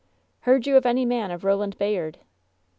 "Heard you of any man of Roland Bayard?"